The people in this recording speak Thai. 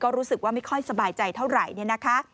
ก็รู้สึกว่าไม่ค่อยสบายใจเท่าไหร่